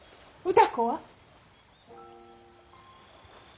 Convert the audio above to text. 歌子は？